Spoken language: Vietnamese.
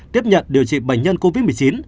tiếp nhận điều trị bệnh nhân covid một mươi chín